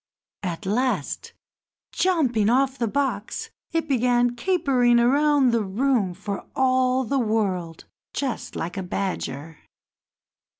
At last, jumping off the box, it began capering about the room for all the world just like a badger.